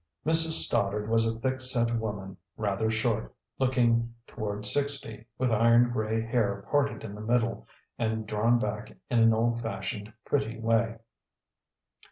Mrs. Stoddard was a thick set woman, rather short, looking toward sixty, with iron gray hair parted in the middle and drawn back in an old fashioned, pretty way.